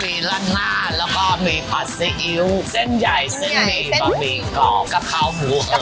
มีราดหน้าแล้วก็มีผัดซีอิ๊วเส้นใหญ่เส้นมีบะบีก่อกะเข้าหมูอึม